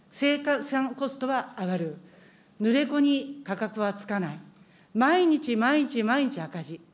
コストは上がる、ぬれこに価格はつかない、毎日毎日毎日赤字。